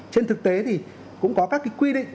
trên thực tế thì cũng có các quy định